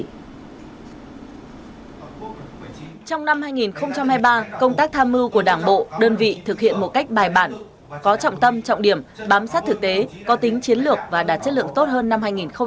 trong năm hai nghìn hai mươi ba công tác tham mưu của đảng bộ đơn vị thực hiện một cách bài bản có trọng tâm trọng điểm bám sát thực tế có tính chiến lược và đạt chất lượng tốt hơn năm hai nghìn hai mươi ba